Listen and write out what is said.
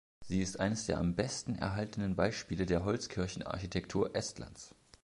Sie ist eines der am besten erhaltenen Beispiele der Holzkirchen-Architektur Estlands.